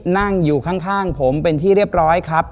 นั่งอยู่ข้างผมเป็นที่เรียบร้อยครับ